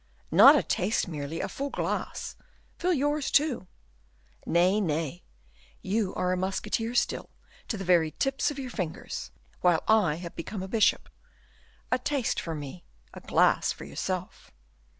"Not a taste merely, a full glass; fill yours too." "Nay, nay! You are a musketeer still, to the very tips of your fingers, while I have become a bishop. A taste for me; a glass for yourself."